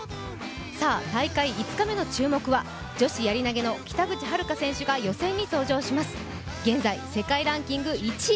さあ、大会５日目の注目は女子やり投の北口榛花選手が予選に登場します現在、世界ランキング１位。